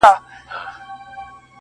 لكه د مور چي د دعا خبر په لپه كــي وي~